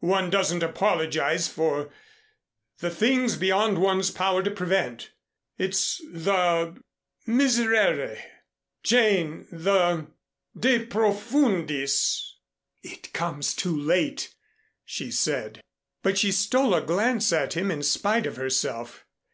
"One doesn't apologize for the things beyond one's power to prevent. It's the miserere, Jane the de profundis " "It comes too late," she said, but she stole a glance at him in spite of herself.